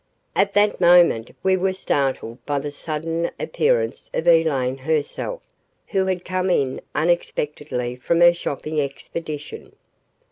........ At that moment we were startled by the sudden appearance of Elaine herself, who had come in unexpectedly from her shopping expedition.